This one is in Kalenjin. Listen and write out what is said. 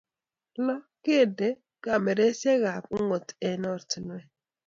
Lo, kende kameraisyekab ung'ot eng oratinweek.